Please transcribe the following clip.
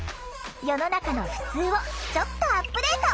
世の中のふつうをちょっとアップデート。